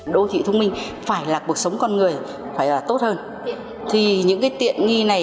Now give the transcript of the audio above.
đô thị thông minh phải là cuộc sống con người tốt hơn thì những tiện nghi này